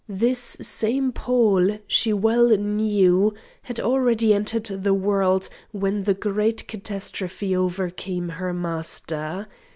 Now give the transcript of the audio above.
This same Paul, she well knew, had already entered the world when the great catastrophe overcame her master.